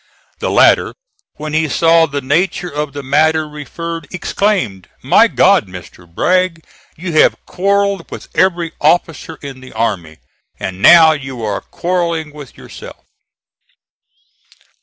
The latter, when he saw the nature of the matter referred, exclaimed: "My God, Mr. Bragg, you have quarrelled with every officer in the army, and now you are quarrelling with yourself!"